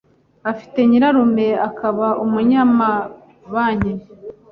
afite nyirarume akaba umunyamabanki.